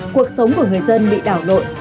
cuộc sống của người dân bị đảo lội